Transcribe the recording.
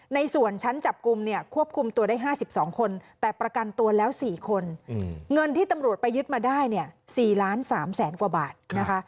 ในส่วนชั้นจับกลุ่มเนี่ยควบคุมตัวได้๕๒คนแต่ประกันตัวแล้ว๔คนเงินที่ตำรวจไปยึดมาได้เนี่ย๔ล้าน๓แสนกว่าบาทนะคะ